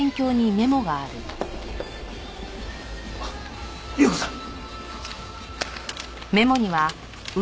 あっ有雨子さん！